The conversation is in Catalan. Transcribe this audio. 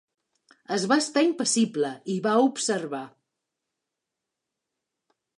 Es va estar impassible i va observar.